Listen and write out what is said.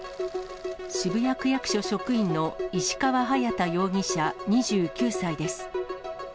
渋谷区役所職員の、石川隼大容疑者２９歳です。